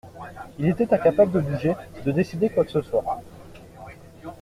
Il était incapable de bouger, de décider quoi que ce soit.